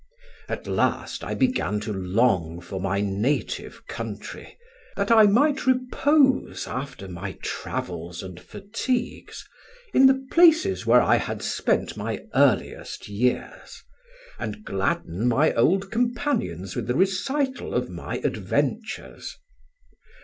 At last I began to long for my native country, that I might repose after my travels and fatigues in the places where I had spent my earliest years, and gladden my old companions with the recital of my adventures.